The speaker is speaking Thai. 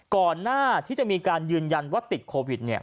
ก่อนหน้าที่จะมีการยืนยันว่าติดโควิดเนี่ย